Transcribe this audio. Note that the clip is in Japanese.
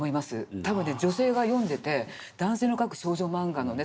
多分ね女性が読んでて男性の描く少女漫画のね